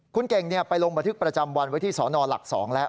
คุณเก่งเนี่ยไปลงบัตรธึกประจำวันไว้ที่สอนอนหลัก๒แล้ว